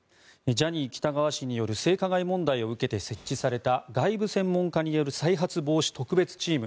ジャニー喜多川氏による性加害問題を受けて設置された外部専門家による再発防止特別チーム。